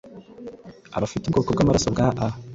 abafite ubwoko bw’amaraso bwa A